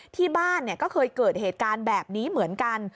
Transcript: ที่บ้านก็เคยเกิดเหตุการณ์แบบนี้เหมือนกัน